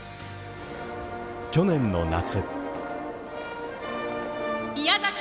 去年の夏。